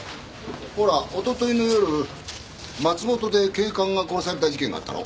ほらおとといの夜松本で警官が殺された事件があったろ？